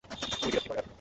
খুবই বিরক্তিকর এটা!